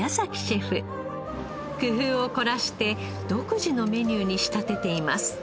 工夫を凝らして独自のメニューに仕立てています。